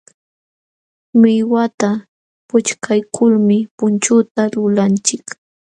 Millwata puchkaykulmi punchuta lulanchik.